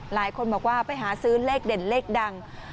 หลายคนบอกว่าไปหาซื้อเลขเด่นเลขดัง